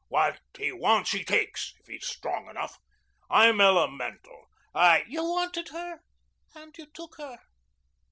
What he wants he takes if he's strong enough. I'm elemental. I " "You wanted her and you took her.